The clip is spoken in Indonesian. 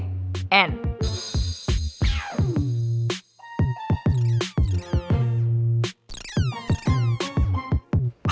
ket meeting pertarik